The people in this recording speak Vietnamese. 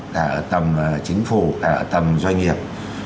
cả ở tầm chính phủ cả ở tầm doanh nghiệp